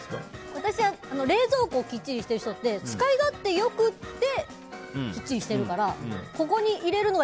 私は冷蔵庫をきっちりしている人って使い勝手がよくってきっちりしてるからここに入れるのが